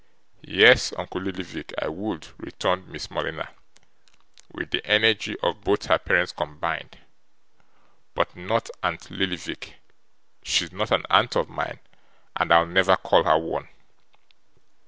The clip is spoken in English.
'Yes; uncle Lillyvick, I would,' returned Miss Morleena, with the energy of both her parents combined; 'but not aunt Lillyvick. She's not an aunt of mine, and I'll never call her one.